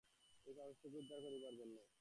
এই পাপিষ্ঠাকে উদ্ধার করিবার জন্য?